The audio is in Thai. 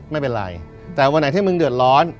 ไม่เป็นไรแต่วันไหนที่มึงเดือดร้อน